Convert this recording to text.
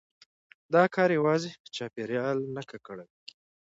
دا کار يوازي چاپېريال نه ککړوي،